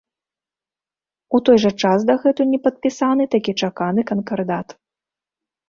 У той жа час дагэтуль не падпісаны такі чаканы канкардат.